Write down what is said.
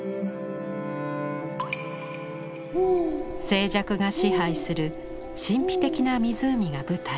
静寂が支配する神秘的な湖が舞台。